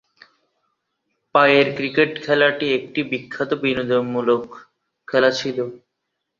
পায়ের ক্রিকেট খেলাটি একটি বিখ্যাত বিনোদনমূলক খেলা ছিল।